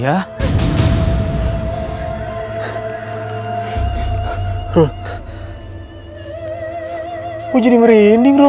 aku jadi merinding rul